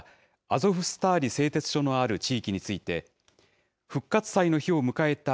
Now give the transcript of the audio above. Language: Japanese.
アゾフスターリ製鉄所のある地域について、復活祭の日を迎えた